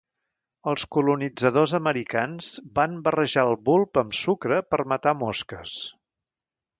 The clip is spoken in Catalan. Els colonitzadors americans van barrejar el bulb amb sucre per matar mosques.